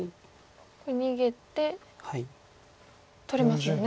これ逃げて取れますよね。